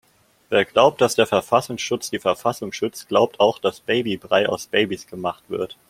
Wer glaubt, dass der Verfassungsschutz die Verfassung schützt, glaubt auch dass Babybrei aus Babys gemacht wird.